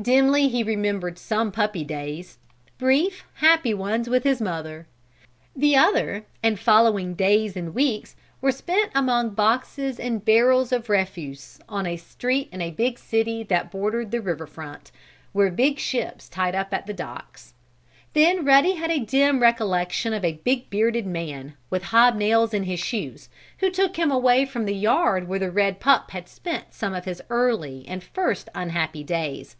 Dimly he remembered some puppy days; brief, happy ones with his mother. The other, and following days and weeks were spent among boxes and barrels of refuse on a street in a big city that bordered the river front where big ships tied up at the docks. Then Ruddy had a dim recollection of a big bearded man, with hob nails in his shoes, who took him away from the yard where the red pup had spent some of his early and first unhappy days.